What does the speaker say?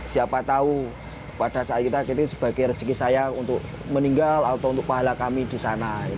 siapa tahu pada saat kita sebagai rezeki saya untuk meninggal atau untuk pahala kami di sana